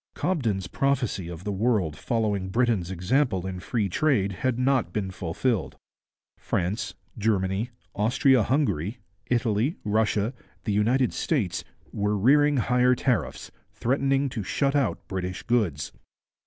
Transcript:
Cobden's prophecy of the world following Britain's example in free trade had not been fulfilled. France, Germany, Austria Hungary, Italy, Russia, the United States, were rearing higher tariffs, threatening to shut out British goods.